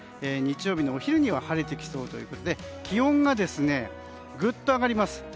日曜日のお昼には晴れてきそうということで気温がぐっと上がります。